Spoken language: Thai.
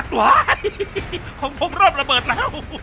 ว้าวของผมเริ่มระเบิดแล้ว